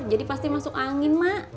jadi pasti masuk angin mak